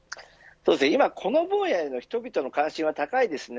今、この分野への人々の関心は高いですね。